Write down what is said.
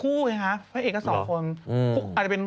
โอลี่คัมรี่ยากที่ใครจะตามทันโอลี่คัมรี่ยากที่ใครจะตามทัน